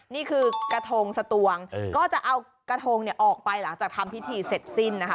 นี่คือกระทงสตวงก็จะเอากระทงเนี่ยออกไปหลังจากทำพิธีเสร็จสิ้นนะคะ